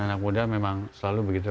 dan anak muda memang selalu begitu